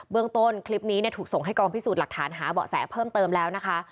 เรื่องต้นคลิปนี้ถูกส่งให้กองพิสูจน์หลักฐานหาเบาะแสเพิ่มเติมแล้วนะคะ